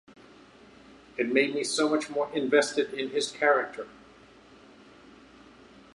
It made me so much more invested in his character.